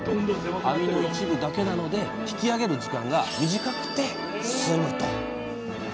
網の一部だけなので引きあげる時間が短くて済むと。